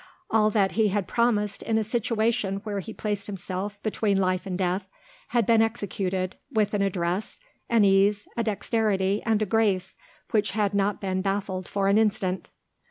All that he had promised in a situation where he placed himself between life and death had been executed with an address, an ease, a dexterity, and a grace, which had not been baffled for an instant.